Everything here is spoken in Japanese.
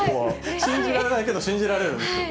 信じられないけど信じられるんですよ。